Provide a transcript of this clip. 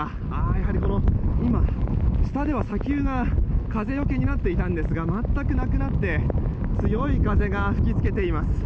やはり今、下では砂丘が風よけになっていたんですが全くなくなって強い風が吹き付けています。